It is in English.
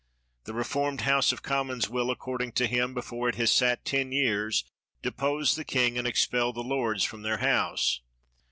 The reformed House of Commons will, according to him, before it has sat ten years, depose the king and expel the lords from their House.